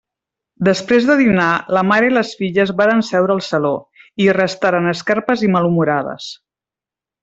Després de dinar, la mare i les filles varen seure al saló, i hi restaren esquerpes i malhumorades.